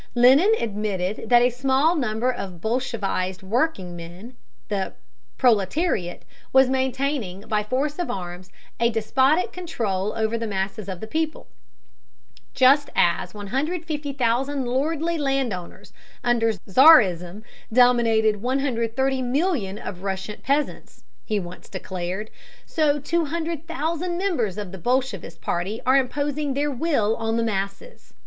Lenin admitted that a small number of bolshevized workingmen, the proletariat, was maintaining, by force of arms, a despotic control over the masses of the people. "Just as 150,000 lordly landowners under Czarism dominated the 130,000,000 of Russian peasants," he once declared, "so 200,000 members of the bolshevist party are imposing their will on the masses."